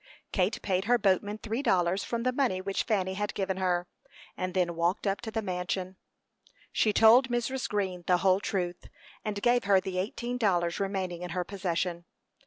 Kate paid her boatman three dollars from the money which Fanny had given her, and then walked up to the mansion. She told Mrs. Green the whole truth, and gave her the eighteen dollars remaining in her possession.